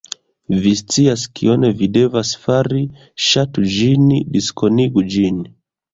Vi scias kion vi devas fari. Ŝatu ĝin, diskonigu ĝin